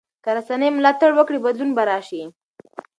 که رسنۍ ملاتړ وکړي بدلون به راشي.